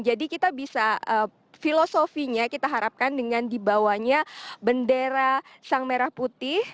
jadi kita bisa filosofinya kita harapkan dengan dibawanya bendera sang merah putih